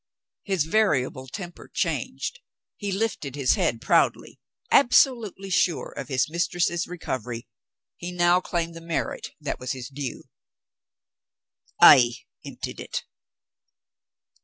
His variable temper changed; he lifted his head proudly. Absolutely sure of his mistress's recovery, he now claimed the merit that was his due. "I emptied it!"